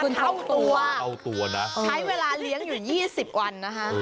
ขึ้นมาเท่าตัวใช้เวลาเลี้ยงอยู่๒๐วันนะฮะ